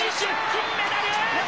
金メダル！